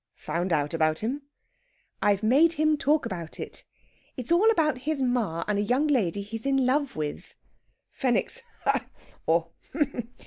"Found out about him?" "I've made him talk about it. It's all about his ma and a young lady he's in love with...." Fenwick's _ha!